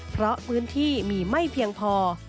เพราะพื้นที่มีไม่เพียงพอ